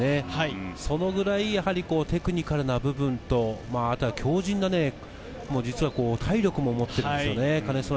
そのくらいテクニカルな部分と、あとは強靭な体力も持っているんですよね。